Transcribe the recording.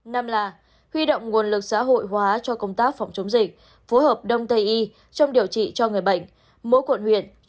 năm là huy động nguồn lực xã hội hóa cho công tác phòng chống dịch phối hợp đông tây y trong điều trị cho người bệnh mỗi quận huyện